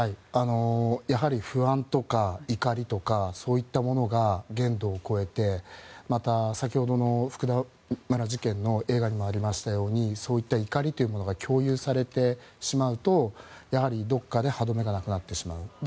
やはり不安とか怒りとかそういったものが限度を超えてまた、先ほどの福田村事件の映画にもありましたようにそういった怒りというものが共有されてしまうと、どこかで歯止めがなくなってしまう。